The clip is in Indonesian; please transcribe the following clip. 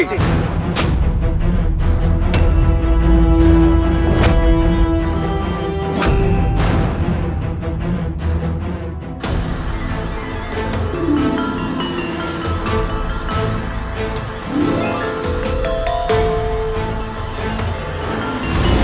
lestri mel indonesian